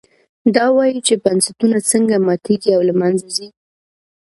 دا وایي چې بنسټونه څنګه ماتېږي او له منځه ځي.